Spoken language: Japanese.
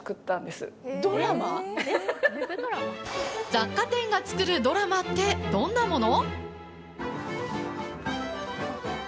雑貨店が作るドラマってどんなもの？